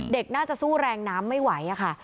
เด็กน่าจะสู้แรงน้ำไม่ไหวค่ะ